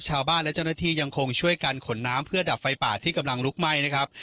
ชาวบ้านและเจ้าหน้าที่ยังคงช่วยกันขนน้ำเพื่อดับไฟป่าที่กำลังลุกไหม้นะครับ